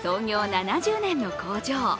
７０年の工場。